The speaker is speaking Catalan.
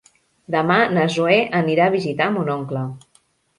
Demà na Zoè anirà a visitar mon oncle.